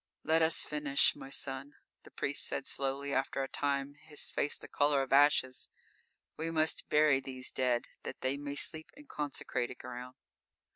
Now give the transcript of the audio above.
"Let us finish, my son," the priest said slowly, after a time, his face the color of ashes. "We must bury these dead, that they may sleep in consecrated ground."